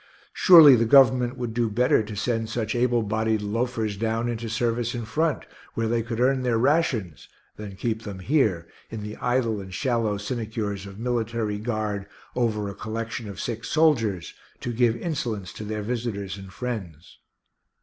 Surely the Government would do better to send such able bodied loafers down into service in front, where they could earn their rations, than keep them here in the idle and shallow sinecures of military guard over a collection of sick soldiers to give insolence to their visitors and friends.